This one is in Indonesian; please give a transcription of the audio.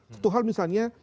tentu hal misalnya